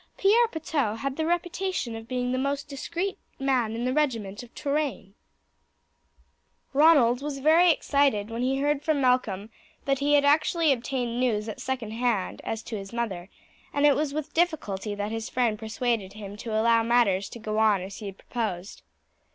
Pierre Pitou had the reputation of being the most discreet man in the regiment of Touraine." Ronald was very excited when he heard from Malcolm that he had actually obtained news at second hand as to his mother, and it was with difficulty that his friend persuaded him to allow matters to go on as he proposed.